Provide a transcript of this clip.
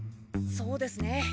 そうですね。